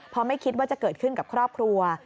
เพราะไม่คิดว่าจะเกิดขึ้นกับครอบครัว